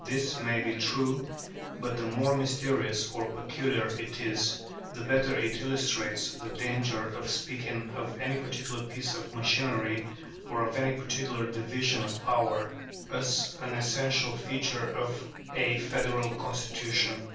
This may be true, but the more mysterious or peculiar it is the better it illustrates the danger of speaking of any particular piece of machinery or of any particular division of power as an essential feature of a federal constitution.